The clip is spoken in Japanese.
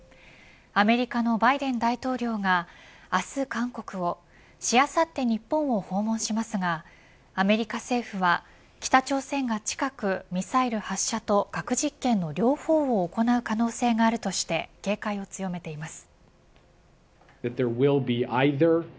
アメリカのバイデン大統領が明日、韓国をしあさって日本を訪問しますがアメリカ政府は北朝鮮が近くミサイル発射と核実験の両方を行う可能性があるとして警戒を強めています。